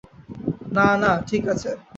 না, না, ঠিক আছে।